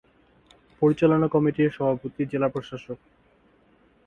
পরিচালনা কমিটির সভাপতি জেলা প্রশাসক।